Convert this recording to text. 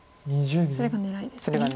それが狙いですね。